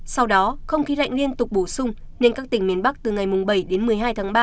sau đó không khí lạnh liên tục bổ sung nên các tỉnh miền bắc từ ngày bảy đến một mươi hai tháng ba